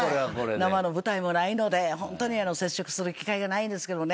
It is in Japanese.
生の舞台もないのでホントに接触する機会がないんですけどね